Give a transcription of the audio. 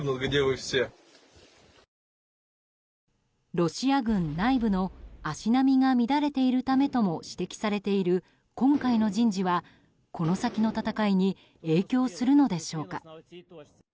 ロシア軍内部の足並みが乱れているためとも指摘されている今回の人事はこの先の戦いに影響するのでしょうか。